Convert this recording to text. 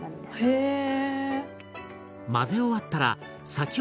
へえ。